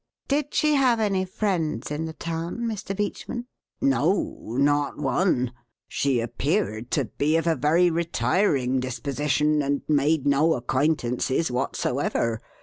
Did she have any friends in the town, Mr. Beachman?" "No, not one. She appeared to be of a very retiring disposition, and made no acquaintances whatsoever.